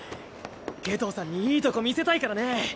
夏油さんにいいとこ見せたいからね。